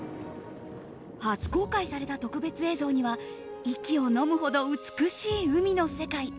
初公開された特別映像には息をのむほど美しい海の世界。